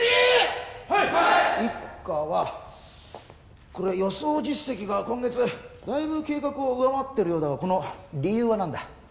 一課はこれ予想実績が今月だいぶ計画を上回ってるようだがこの理由は何だ？